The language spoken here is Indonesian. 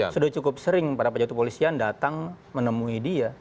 sudah cukup sering para pejabat kepolisian datang menemui dia